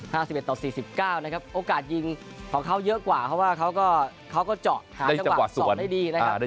๕๑ต่อ๔๙นะครับโอกาสยิงของเขาเยอะกว่าเพราะว่าเขาก็เจาะหาจังหวะสอบได้ดีนะครับ